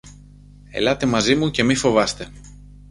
Ελάτε μαζί μου και μη φοβάστε!